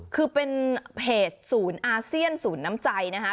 คือเป็นเพจศูนย์อาเซียนศูนย์น้ำใจนะคะ